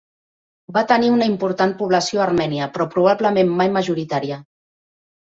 Va tenir una important població armènia, però probablement mai majoritària.